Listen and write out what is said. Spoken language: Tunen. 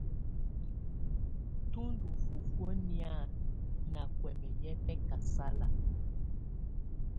Tù ndù fufuǝ́ nɛ̀á nà kuɛmɛ yɛ̀ bɛkasala.